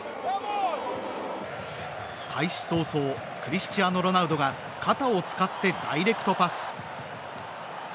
開始早々クリスチアーノ・ロナウドが肩を使って、ダイレクトパス。